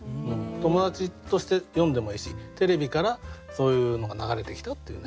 友達として読んでもいいしテレビからそういうのが流れてきたっていう。